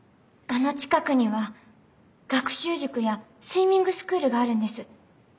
あの近くには学習塾やスイミングスクールがあるんです。